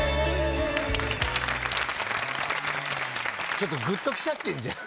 ちょっとグッときちゃってるじゃん。